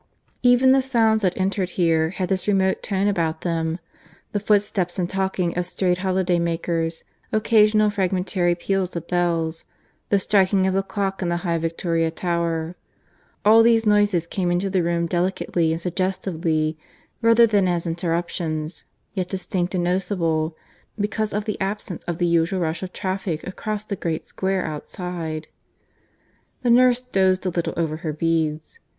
Even the sounds that entered here had this remote tone about them; the footsteps and talking of strayed holiday makers, occasional fragmentary peals of bells, the striking of the clock in the high Victoria Tower all these noises came into the room delicately and suggestively rather than as interruptions, yet distinct and noticeable because of the absence of the usual rush of traffic across the great square outside. The nurse dozed a little over her beads.